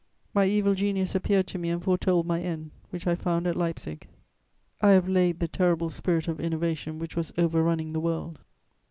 "My evil genius appeared to me and foretold my end, which I found at Leipzig." "I have laid the terrible spirit of innovation which was overrunning the world."